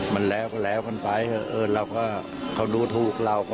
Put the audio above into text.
มันแล้วก็แล้วกันไปเขาดูถูกเรา